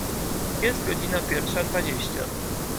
Jest godzina pierwsza dwadzieścia.